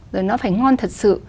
rồi nó phải ngon thật sự